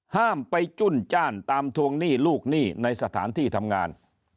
ห้ามไปจุ้นจ้านตามทวงหนี้ลูกหนี้ในสถานที่ทำงาน